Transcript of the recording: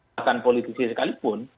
bahkan politisi sekalipun